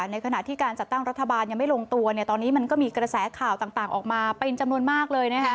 ในขณะที่การจัดตั้งรัฐบาลยังไม่ลงตัวตอนนี้มันก็มีกระแสข่าวต่างออกมาเป็นจำนวนมากเลย